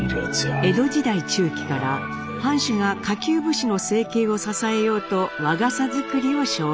江戸時代中期から藩主が下級武士の生計を支えようと和傘作りを奨励。